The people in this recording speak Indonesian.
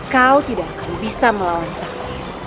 kau tidak akan bisa melawan kami